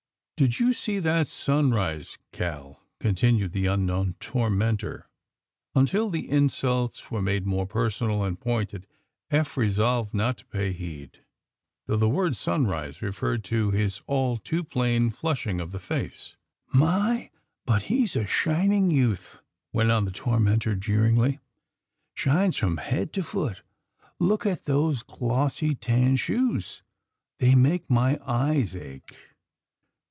*^Did you see that sunrise, CaH" continued the unknown tormentor. Until the insults were made more personal and pointed Eph resolved not to pay heed, though the word ^'sunrise" referred to his all too plain flushing of the face. AND THE SMUGGLERS 23 My, but lie's a shining youtJi/' went on the tormentor, jeeringly. '^Shines from head to foot. Look at those glossy tan shoes. They make my eyes ache.